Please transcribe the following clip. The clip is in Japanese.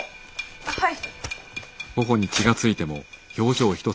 はい。